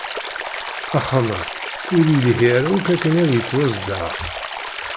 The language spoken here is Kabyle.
Axxam-a ur yelhi ara akk akken ad yettwazdeɣ.